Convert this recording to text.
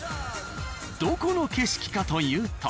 どこの景色かというと。